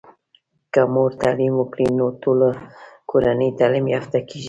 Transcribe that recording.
که مور تعليم وکړی نو ټوله کورنۍ تعلیم یافته کیږي.